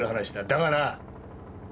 だがな